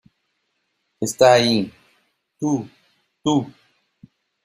¡ Está ahí! Tú... tú ...